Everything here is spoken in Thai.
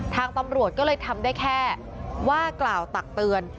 ทางตำรวจก็เลยทำได้แค่ว่ากล่าวตักเตือน